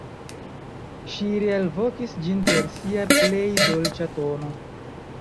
Ŝi realvokis ĝin per sia plej dolĉa tono.